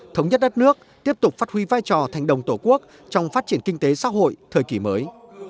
thống nhất đất nước tiếp tục phát huy vai trò thành đồng tổ quốc trong phát triển kinh tế xã hội thời kỳ mới